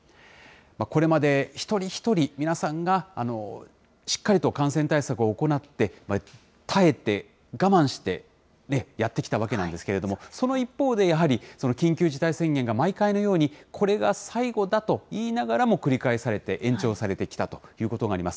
これまで一人一人、皆さんがしっかりと感染対策を行って、耐えて、我慢して、やってきたわけなんですけれども、その一方で、やはり緊急事態宣言が毎回のように、これが最後だといいながらも繰り返されて、延長されてきたということがあります。